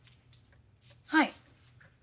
はい。